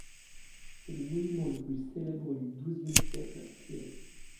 C'est le monument le plus célèbre du douzième siècle à Kiev.